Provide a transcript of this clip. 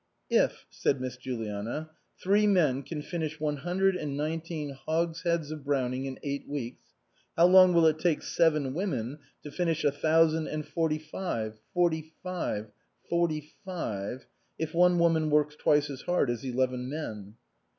" If," said Miss Juliana, " three men can finish one hundred and nineteen hogsheads of Brown ing in eight weeks, how long will it take seven women to finish a thousand and forty five forty five forty five, if one woman works twice as hard as eleven men?"